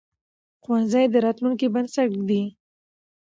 ښوونځی د راتلونکي بنسټ ږدي